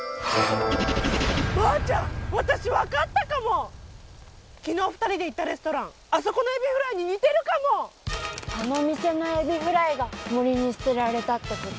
マーちゃん私分かったかもきのう二人で行ったレストランあそこのエビフライに似てるかもあのお店のエビフライが森に捨てられたってこと？